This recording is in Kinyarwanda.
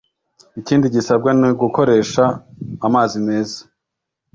Ikindi gisabwa ni ugukoresha amazi meza